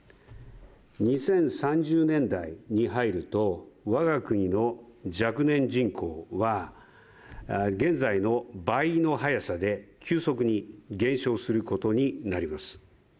２０３０年代に入ると我が国の若年人口は現在の倍の速さで急速に減少することになります。